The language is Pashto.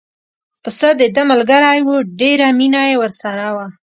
پسه دده ملګری و ډېره مینه یې ورسره وه.